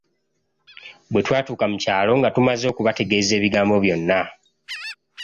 Bwe twatuuka mu kyalo nga tumaze okubategeeza ebigambo byonna.